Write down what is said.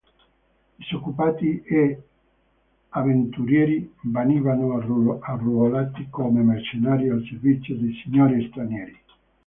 Disoccupati e avventurieri venivano arruolati come mercenari al servizio di signori stranieri.